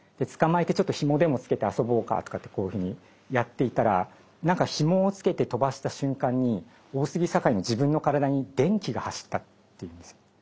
捕まえてちょっとひもでもつけて遊ぼうかってやっていたら何かひもをつけて飛ばした瞬間に大杉栄の自分の体に電気が走ったっていうんですよ。